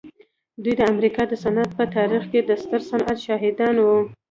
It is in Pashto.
دوی د امریکا د صنعت په تاریخ کې د ستر صنعت شاهدان وو